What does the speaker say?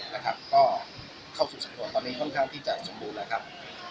นะครับก็เข้าสู่สำนวนตอนนี้ค่อนข้างที่จะสมบูรณ์แล้วครับ